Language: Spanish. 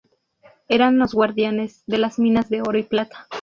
Eran los guardianes de las minas de oro y plata.